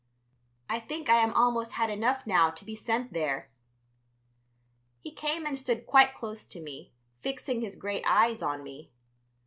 I think I am almost had enough now to be sent there." He came and stood quite close to me, fixing his great eyes on me.